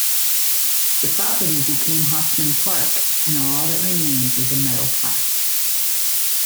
The property became Hoffman Park, and all that remains is a metal plaque.